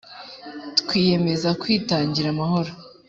twiyemeza kwitangira amahoro